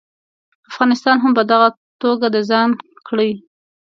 افغانستان هم په دغه توګه د ځان کړي.